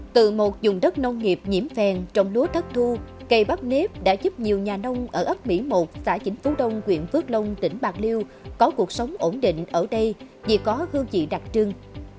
từ một dùng đất nông nghiệp nhiễm phèn trong lúa thất thu cây bắp nếp đã giúp nhiều nhà nông ở ấp mỹ một xã chỉnh phú đông quyện phước long tỉnh bạc liêu có cuộc sống ổn định ở đây vì có hương vị đặc trưng